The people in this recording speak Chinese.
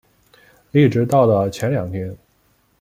一直到了前两天